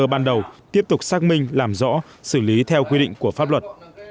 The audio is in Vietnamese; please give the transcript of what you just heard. ban đầu tiếp tục xác minh làm rõ xử lý theo quy định của pháp luật